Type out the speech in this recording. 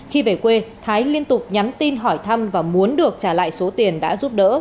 khi về quê thái liên tục nhắn tin hỏi thăm và muốn được trả lại số tiền đã giúp đỡ